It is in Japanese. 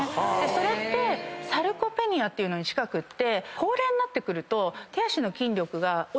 それサルコペニアっていうのに近くて。